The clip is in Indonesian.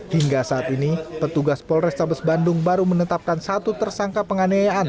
hingga saat ini petugas polrestabes bandung baru menetapkan satu tersangka penganiayaan